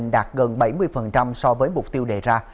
đạt gần bảy mươi so với mục tiêu đề ra